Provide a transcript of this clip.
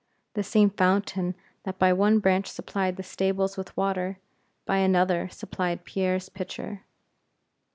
The same fountain that by one branch supplied the stables with water, by another supplied Pierre's pitcher.